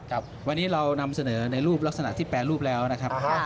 ครับวันนี้เรานำเสนอในรูปลักษณะที่แปรรูปแล้วนะครับ